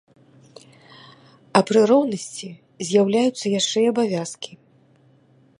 А пры роўнасці з'яўляюцца яшчэ і абавязкі.